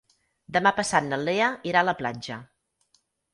Demà passat na Lea irà a la platja.